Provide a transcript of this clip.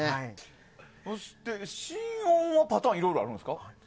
そして心音パターンいろいろあるんですか？